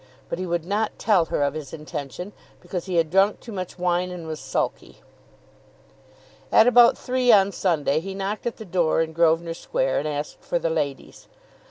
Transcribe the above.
But he would not tell her of his intention, because he had drunk too much wine, and was sulky. At about three on Sunday he knocked at the door in Grosvenor Square and asked for the ladies.